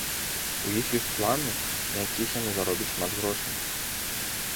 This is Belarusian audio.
У іх ёсць планы, на якіх яны заробяць шмат грошай.